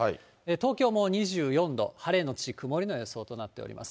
東京も２４度、晴れのち曇りの予想となっております。